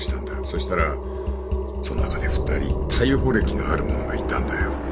したらその中で二人逮捕歴がある者がいたんだよ